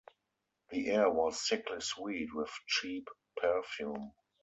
The air was sickly sweet with cheap perfume.